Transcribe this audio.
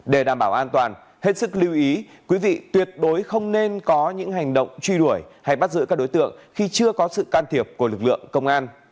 để đảm bảo an toàn hết sức lưu ý quý vị tuyệt đối không nên có những hành động truy đuổi hay bắt giữ các đối tượng khi chưa có sự can thiệp của lực lượng công an